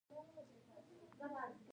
• د ورځې تودوخه د بدن لپاره ضروري ده.